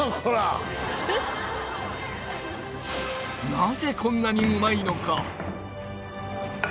なぜこんなにうまいのか？